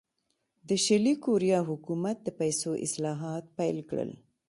د شلي کوریا حکومت د پیسو اصلاحات پیل کړل.